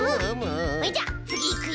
じゃあつぎいくよ！